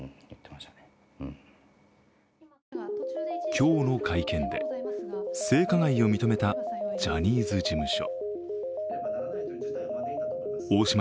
今日の会見で性加害を認めたジャニーズ事務所。